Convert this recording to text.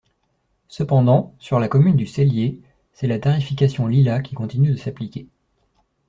Cependant, sur la commune du Cellier c'est la tarification Lila qui continue de s'appliquer.